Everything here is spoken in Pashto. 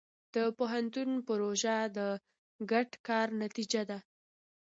د پوهنتون پروژه د ګډ کار نتیجه ده.